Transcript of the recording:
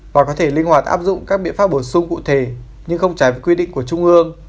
và có thể linh hoạt áp dụng các biện pháp bổ sung cụ thể nhưng không trái với quy định của trung ương